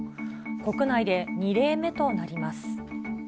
国内で２例目となります。